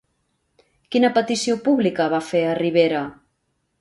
Quina petició pública va fer a Rivera?